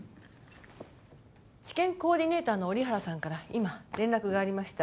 治験コーディネーターの折原さんから今連絡がありました